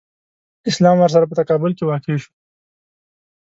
اسلام ورسره په تقابل کې واقع شو.